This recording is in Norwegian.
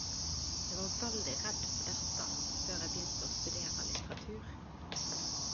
Eg var veldig redd for dette før eg begynte å studere litteratur.